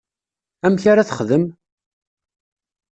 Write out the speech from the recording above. Amek ara texdem?